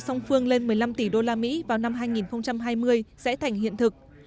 song phương lên một mươi năm tỷ usd vào năm hai nghìn hai mươi sẽ thành hiện thực